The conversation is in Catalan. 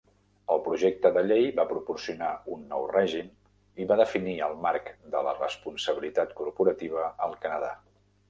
El projecte de llei va proporcionar un nou règim i va definir el marc de la responsabilitat corporativa al Canadà.